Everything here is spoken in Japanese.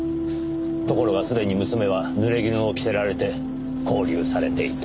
ところがすでに娘は濡れ衣を着せられて拘留されていた。